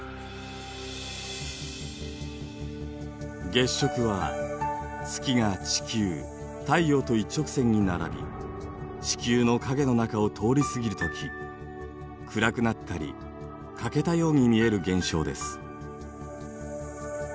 月食は月が地球太陽と一直線に並び地球の影の中を通り過ぎる時暗くなったり欠けたように見える現象です。